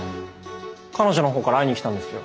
彼女の方から会いに来たんですよ